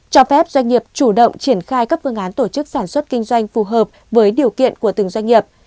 cho phép doanh nghiệp chủ động triển khai các phương án tổ chức sản xuất kinh doanh phù hợp với điều kiện của từng doanh nghiệp